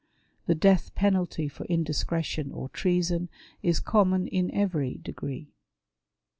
The death penalty for indiscretion or treason is common in every degree.